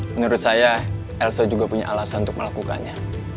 menurut saya elso juga punya alasan untuk melakukannya